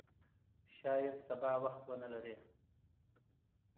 شاید سبا وخت ونه لرې !